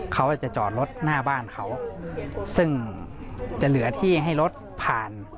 เขาจะจอดรถหน้าบ้านเขาซึ่งจะเหลือที่ให้รถผ่าน